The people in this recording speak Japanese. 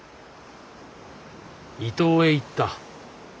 伊東へ行った。